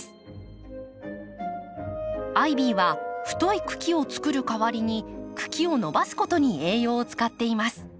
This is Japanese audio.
アイビーは太い茎をつくるかわりに茎を伸ばすことに栄養を使っています。